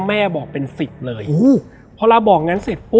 แม่บอกเป็นสิบเลยเพราะเว้าบอกมาเสร็จปุ๊บ